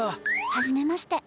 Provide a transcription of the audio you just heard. はじめまして！